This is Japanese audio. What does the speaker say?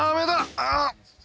ああ！